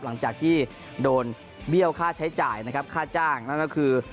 หลังจากที่โดนเบี้ยวค่าใช้จ่ายนะครับค่าจ้างนั่นก็คือ